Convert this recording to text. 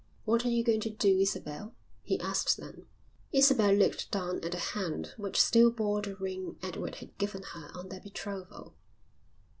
"What are you going to do, Isabel?" he asked then. Isabel looked down at the hand which still bore the ring Edward had given her on their betrothal.